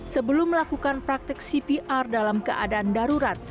sebelum melakukan praktek cpr dalam keadaan darurat